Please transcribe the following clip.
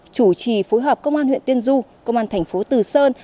chủ trì phối hợp công an huyện tiên du công an thành phố từ sơn